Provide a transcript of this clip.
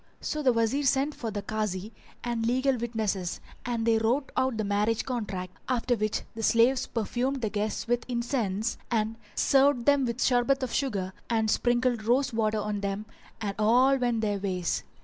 So the Wazir sent for the Kazi and legal witnesses and they wrote out the marriage contract, after which the slaves perfumed the guests with incense, [FN#381] and served them with sherbet of sugar and sprinkled rose water on them and all went their ways.